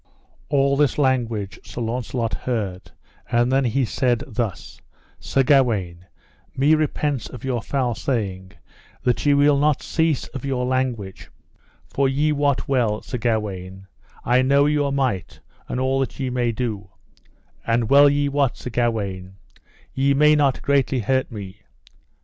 All this language Sir Launcelot heard, and then he said thus: Sir Gawaine, me repents of your foul saying, that ye will not cease of your language; for you wot well, Sir Gawaine, I know your might and all that ye may do; and well ye wot, Sir Gawaine, ye may not greatly hurt me.